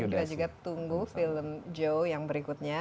dan kita juga tunggu film joe yang berikutnya